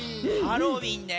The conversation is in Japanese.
「ハロウィン」ね。